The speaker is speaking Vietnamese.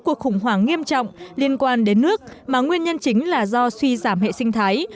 cuộc khủng hoảng nghiêm trọng liên quan đến nước mà nguyên nhân chính là do suy giảm hệ sinh thái